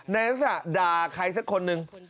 ในนั้นซะด่าใครสักคนนึง